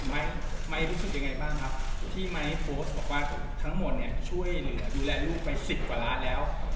ไม้ไมค์รู้สึกยังไงบ้างครับที่ไมค์โพสต์บอกว่าทั้งหมดเนี่ยช่วยเหลือดูแลลูกไปสิบกว่าล้านแล้ว